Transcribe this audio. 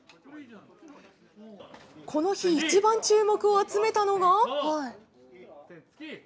この日、いちばん注目を集めたのが。